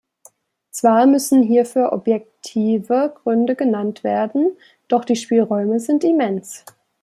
Zwar müssen hierfür objektive Gründe genannt werden, doch die Spielräume sind immens.